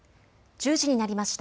１０時になりました。